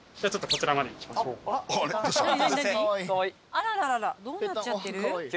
あららららどうなっちゃってる？